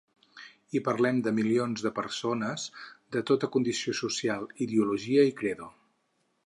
I parlem de milions de persones de tota condició social, ideologia i credo.